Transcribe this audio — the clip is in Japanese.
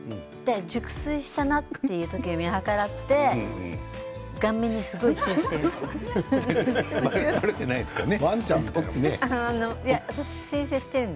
熟睡したなという時を見計らって顔面にすごいチューしてるんですね。